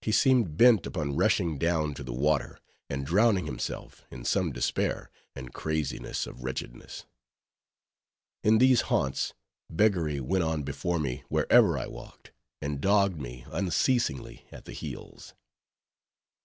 He seemed bent upon rushing down to the water, and drowning himself, in some despair, and craziness of wretchedness. In these haunts, beggary went on before me wherever I walked, and dogged me unceasingly at the heels.